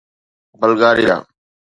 Bulgaria